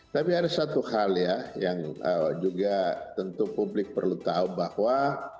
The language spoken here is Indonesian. tapi ada satu hal ya yang juga tentu publik perlu tahu bahwa